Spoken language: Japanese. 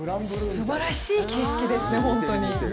すばらしい景色ですね、本当に。